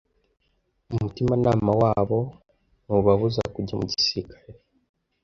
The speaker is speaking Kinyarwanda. Umutimanama wabo ntubabuza kujya mu gisirikare